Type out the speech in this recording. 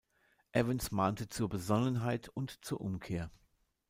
Evans mahnte zur Besonnenheit und zur Umkehr.